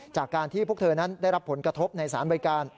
จากการที่พวกเธอนั้นได้รับผลกระทบในสารบริการ